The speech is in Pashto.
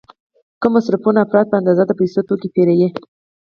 کم مصرفوونکي افراد په اندازه د پیسو توکي پیري.